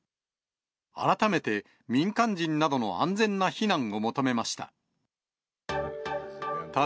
改めて民間人などの安全な避難を求めました。